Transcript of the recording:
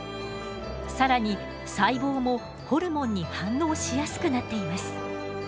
更に細胞もホルモンに反応しやすくなっています。